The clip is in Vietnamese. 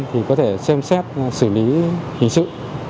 thì có thể xem xét xử lý hình sự